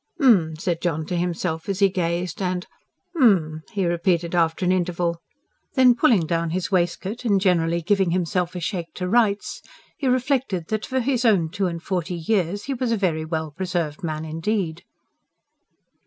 "H'm!" said John to himself as he gazed. And: "H'm," he repeated after an interval. Then pulling down his waistcoat and generally giving himself a shake to rights, he reflected that, for his own two and forty years, he was a very well preserved man indeed.